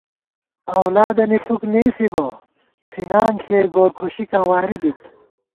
اولادَنی فُک نېسی بہ ، سِنان ݪِیَئ گور کھُشِکاں واری دِت